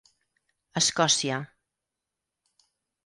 Escòcia.